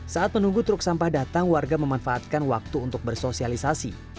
saat menunggu truk sampah datang warga memanfaatkan waktu untuk bersosialisasi